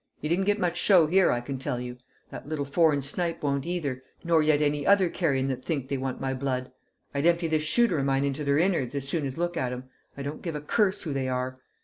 He didn't get much show 'ere, I can tell you; that little foreign snipe won't either, nor yet any other carrion that think they want my blood. I'd empty this shooter o' mine into their in'ards as soon as look at 'em, I don't give a curse who they are!